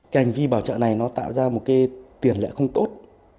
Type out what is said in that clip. cái hành vi bảo trợ này nó tạo ra một cái tiền lệ không tốt